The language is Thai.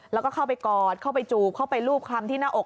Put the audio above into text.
แล้วก็เข้าไปกอดเข้าไปจูบเข้าไปรูปคลำที่หน้าอก